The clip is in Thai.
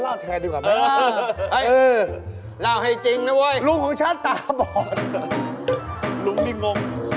เล่าถามดูก่อนเออเห้ยเล่าให้จริงนะโวยลุงของฉันตาปอนลุงไม่งง